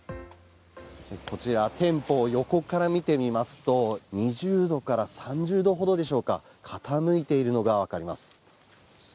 こちら店舗を横から見てみますと２０度から３０度ほどでしょうか傾いているのがわかります。